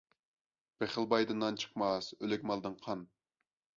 بېخىل بايدىن نان چىقماس، ئۆلۈك مالدىن قان.